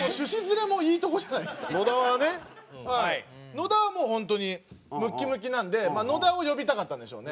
野田はもう本当にムッキムキなんでまあ野田を呼びたかったんでしょうね。